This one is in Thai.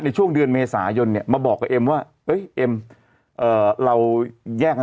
ในช่วงเดือนเมษายนเนี่ยมาบอกกับเอ็มว่าเอ้ยเอ็มเราแยกกัน